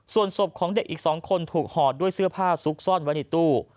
ส่วนศพของเด็กอีก๒คนถูกห่อด้วยเสื้อผ้าซุกซ่อนไว้ในตู้